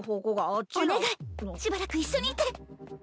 お願いしばらく一緒にいて。